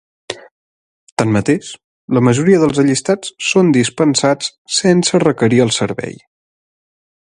Tanmateix, la majoria dels allistats són dispensats sense requerir el servei.